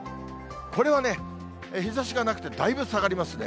これは日ざしがなくて、だいぶ下がりますね。